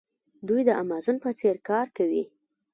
دوی د امازون په څیر کار کوي.